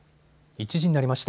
１時になりました。